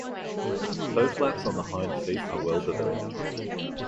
Toe flaps on the hind feet are well developed.